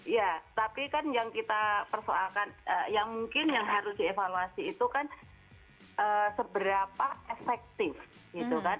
ya tapi kan yang kita persoalkan yang mungkin yang harus dievaluasi itu kan seberapa efektif gitu kan